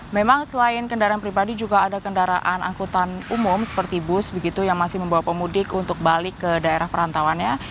memang selain kendaraan pribadi juga ada kendaraan angkutan umum seperti bus begitu yang masih membawa pemudik untuk balik ke daerah perantauannya